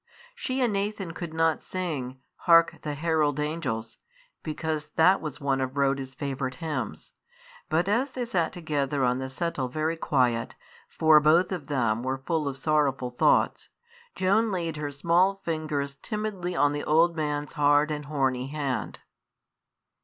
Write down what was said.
She and Nathan could not sing, "Hark! the herald angels!" because that was one of Rhoda's favourite hymns; but as they sat together on the settle very quiet, for both of them were full of sorrowful thoughts, Joan laid her small fingers timidly on the old man's hard and horny hand.